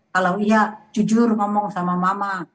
kalau iya jujur ngomong sama mama